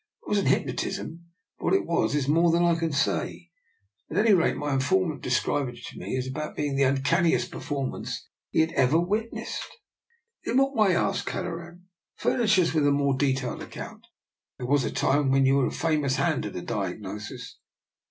It wasn't hypnotism, but what it was is more than I can say. At any rate my in formant described it to me as being about the uncanniest performance he had ever wit nessed." DR. NIKOLA'S EXPERIMENT. 49 " In what way? " asked Kelleran. " Fur nish us with a more detailed account. There was a time when you were a famous hand at a diagnosis."